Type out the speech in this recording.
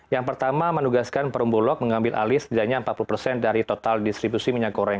yang pertama menugaskan perumbulok mengambil alis jadinya empat puluh dari total distribusi minyak goreng